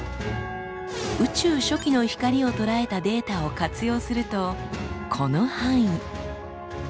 宇宙初期の光をとらえたデータを活用するとこの範囲。